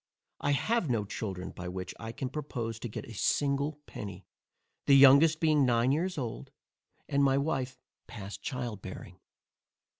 I have no children, by which I can propose to get a single penny; the youngest being nine years old, and my wife past child bearing.